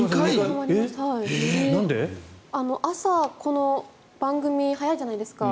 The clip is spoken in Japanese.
朝、この番組早いじゃないですか。